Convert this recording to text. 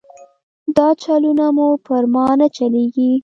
دا چلونه مو پر ما نه چلېږي.